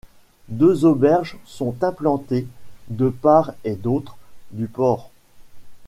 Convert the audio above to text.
Deux auberges sont implantées de part et d'autre du port.